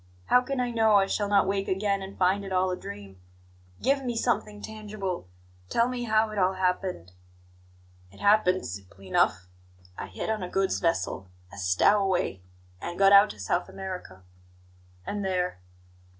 How can I know I shall not wake again and find it all a dream? Give me something tangible tell me how it all happened." "It happened simply enough. I hid on a goods vessel, as stowaway, and got out to South America." "And there?"